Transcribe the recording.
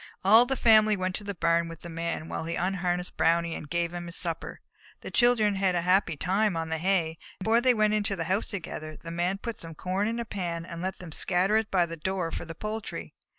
All the family went to the barn with the Man while he unharnessed Brownie and gave him his supper. The children had a happy time on the hay, and, before they went into the house together, the Man put some corn in a pan and let them scatter it by the door for the poultry.